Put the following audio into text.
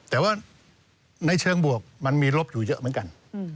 แต่ว่าในเชิงบวกมันมีลบอยู่เยอะเหมือนกัน